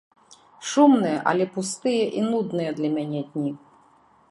Шумныя, але пустыя і нудныя для мяне дні!